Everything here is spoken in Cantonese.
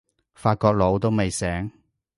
法國佬都未醒